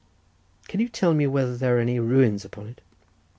"Can you tell me whether there are any ruins upon it?"